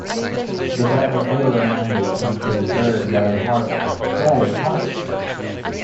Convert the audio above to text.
The bet was later amended to include Bird yelling Harder, Daddy, Harder.